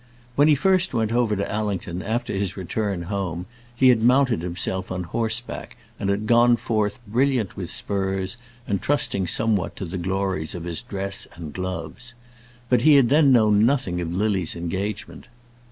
When he first went over to Allington after his return home, he had mounted himself on horseback, and had gone forth brilliant with spurs, and trusting somewhat to the glories of his dress and gloves. But he had then known nothing of Lily's engagement.